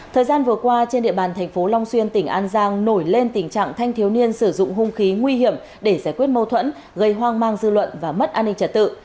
thời gian vừa qua trên địa bàn thành phố long xuyên tỉnh an giang nổi lên tình trạng thanh thiếu niên sử dụng hung khí nguy hiểm để giải quyết mâu thuẫn gây hoang mang dư luận và mất an ninh trật tự